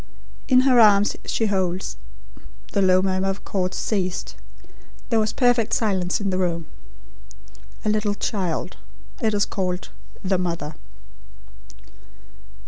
In her arms she holds" the low murmur of chords ceased; there was perfect silence in the room "a little child. It is called: 'The Mother.'"